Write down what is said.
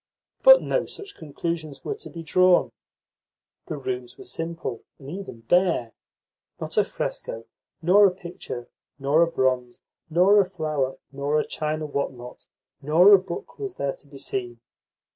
But no such conclusions were to be drawn. The rooms were simple, and even bare. Not a fresco nor a picture nor a bronze nor a flower nor a china what not nor a book was there to be seen.